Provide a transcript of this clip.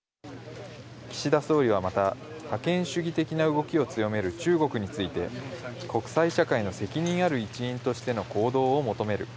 岸田総理はまた、覇権主義的な動きを強める中国について、国際社会の責任ある一員としての行動を求める。